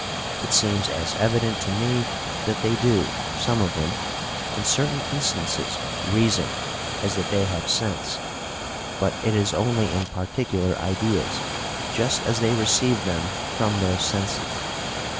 It seems as evident to me that they do, some of them, in certain instances reason as that they have sense; but it is only in particular ideas, just as they receive them from their senses.